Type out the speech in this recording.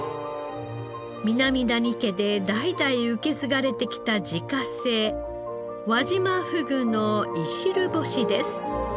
南谷家で代々受け継がれてきた自家製輪島ふぐのいしる干しです。